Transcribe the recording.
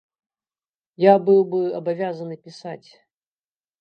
Я быў бы абавязаны пісаць.